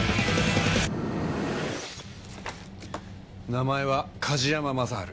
名前は梶山正治。